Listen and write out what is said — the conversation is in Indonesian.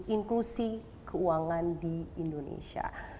inklusi keuangan di indonesia